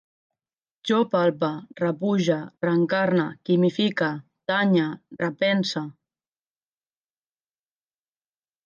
Jo palpe, repuge, reencarne, quimifique, tanye, repense